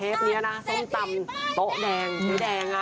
เทปนี้นะส้มตำโต๊ะแดงเสถียร์ป้ายแดง